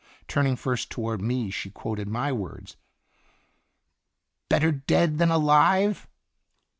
Turning first toward me she quoted my words :" 'Better dead than alive